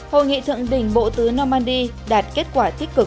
hội nghị thượng đỉnh bộ tứ normandy đạt kết quả tích cực